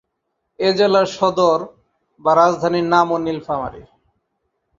এ জেলার সদর বা রাজধানীর নামও নীলফামারী।